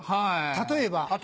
例えば。